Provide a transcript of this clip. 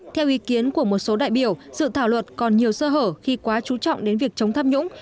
theo ý kiến của một số đại biểu dự thảo luật còn nhiều sơ hở khi quá chú trọng đến việc chống tham nhũng